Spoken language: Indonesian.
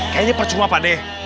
kayaknya percuma pak deh